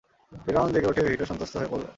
ফিরআউন জেগে উঠে ভীত-সন্ত্রস্ত হয়ে পড়ল।